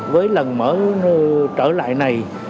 với lần mở trở lại này